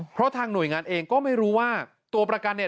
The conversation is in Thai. เพราะทางหน่วยงานเองก็ไม่รู้ว่าตัวประกันเนี่ย